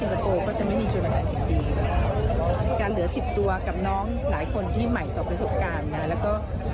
การเหลือสิบตัวกับน้องหลายคนที่ใหม่ต่อประสบการณ์ไงแล้วก็